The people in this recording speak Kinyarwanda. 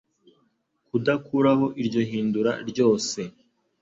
kudakuraho iryo hindura ryose